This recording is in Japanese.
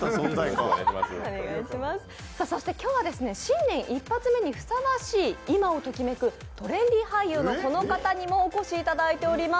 今日は新年一発目にふさわしい今をときめくトレンディー俳優のこの方にもお越しいただいています。